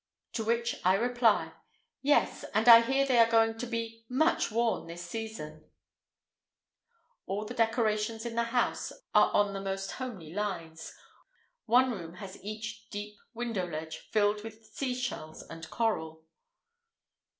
To which I reply: "Yes; and I hear they are going to be much worn this season." All the decorations in the house are on the most homely lines, one room has each deep window ledge filled with seashells and coral.